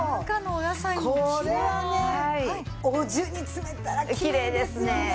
お重に詰めたらきれいですよね。